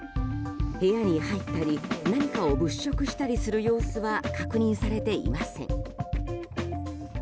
部屋に入ったり何かを物色したりする様子は確認されていません。